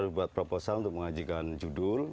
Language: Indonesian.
buat proposal untuk mengajikan judul